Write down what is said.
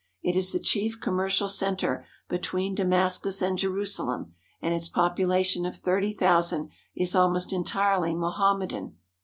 It is the chief commercial cen^ tre between Damascus and Jerusalem, and its population of thirty thousand is almost entirely Mohammedan.